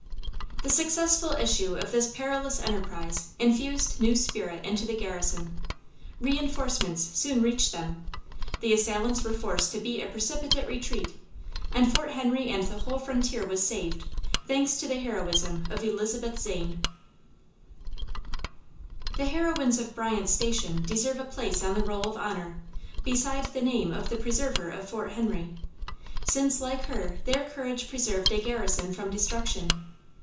The successful issue of this perilous enterprise infused new spirit into the garrison; re enforcements soon reached them, the assailants were forced to beat a precipitate retreat, and Fort Henry and the whole frontier was saved, thanks to the heroism of Elizabeth Zane! [Footnote: McClung's Sketches of Western Adventure.] The heroines of Bryant's Station deserve a place on the roll of honor, beside the name of the preserver of Fort Henry, since like her their courage preserved a garrison from destruction.